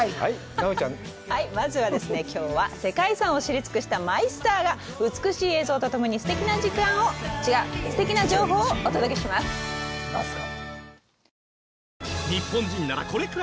今日は世界遺産を知り尽くしたマイスターが美しい映像と共にすてきな時間を違うすてきな情報をお届けしますさぁ夏ですよ